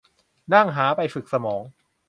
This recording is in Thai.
นั่งหาไป ฝึกสมอง